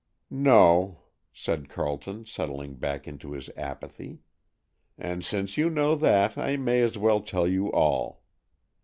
"No," said Carleton, settling back into his apathy. "And since you know that, I may as well tell you all.